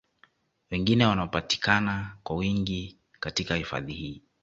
wengine wanaopatikana kwa wingi katika hifadhi hii